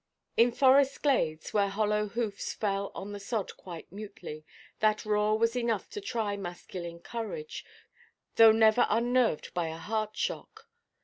In forest glades, where hollow hoofs fell on the sod quite mutely, that roar was enough to try masculine courage, though never unnerved by a heart–shock.